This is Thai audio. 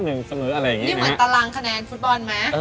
นี่เหมือนตารางคะแนนฟุตบอลไหม